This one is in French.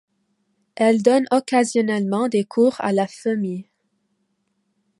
Elle donne occasionnellement des cours à la Femis.